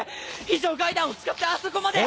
非常階段を使ってあそこまで。